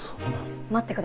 待ってください。